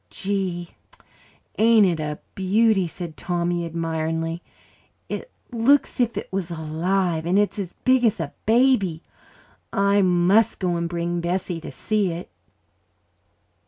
"Gee, ain't it a beauty!" said Tommy admiringly. "It looks 'sif it was alive, and it's as big as a baby. I must go an' bring Bessie to see it."